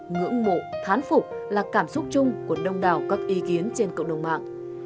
ngưỡng mộ thán phục là cảm xúc chung của đông đảo các ý kiến trên cộng đồng mạng